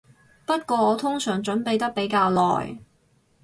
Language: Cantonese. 不過我通常準備得比較耐